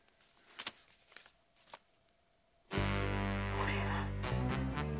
これは！